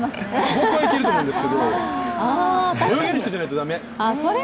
僕はいけると思うんですけど泳げる人じゃないと駄目！